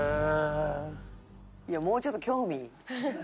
「いやもうちょっと興味」